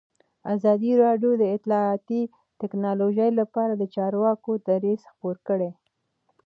ازادي راډیو د اطلاعاتی تکنالوژي لپاره د چارواکو دریځ خپور کړی.